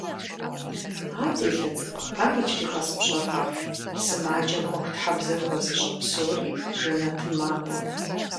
– А делэ цӀыкӀу, ар иджыри къэс пщӀэркъэ: сымаджэм Ӏуэхутхьэбзэ хуэзыщӀэ псори жэнэтым макӀуэ.